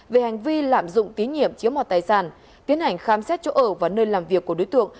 về hành vi lạm dụng tín nhiệm chiếm mọt tài sản tiến hành khám xét chỗ ở và nơi làm việc của đối tượng